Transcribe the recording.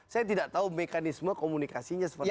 saya tidak tahu mekanisme komunikasinya seperti apa